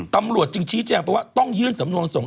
ตำรวจจึงชี้แจงไปว่าต้องยื่นสำนวนส่ง